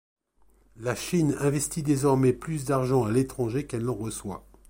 La Chine investit désormais plus d’argent à l’étranger qu’elle n’en reçoit.